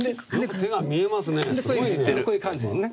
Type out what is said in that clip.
でこういう感じでね。